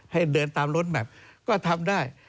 ให้เดินตามรถแมพก็ทำได้